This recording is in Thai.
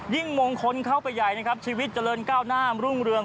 มงคลเข้าไปใหญ่นะครับชีวิตเจริญก้าวหน้ามรุ่งเรือง